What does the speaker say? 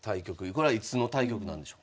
これはいつの対局なんでしょうか。